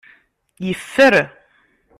Yeffer.